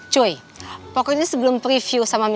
cuy pokoknya sebelum preview sama mr fuad